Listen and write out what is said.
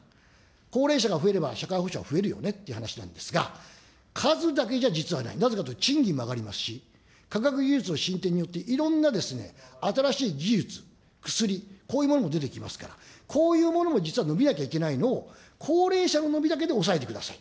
高齢者が増えれば社会保障は増えるよねっていう話なんですが、数だけじゃ実はないんだ、なぜかというと賃金も上がりますし、科学技術の進展によって、いろんな新しい技術、薬、こういうものも出てきますから、こういうものも実は伸びないといけないのを、高齢者の伸びだけで抑えてください。